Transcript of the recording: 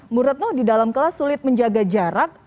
muradno di dalam kelas sulit menjaga jarak